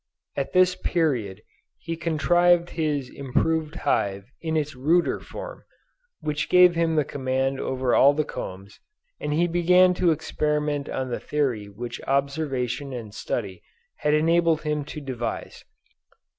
At this period he contrived his improved hive in its ruder form, which gave him the command over all the combs, and he began to experiment on the theory which observation and study had enabled him to devise.